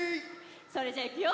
それじゃいくよ。